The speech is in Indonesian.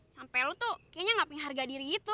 sampai lo tuh kayaknya gak pengen harga diri itu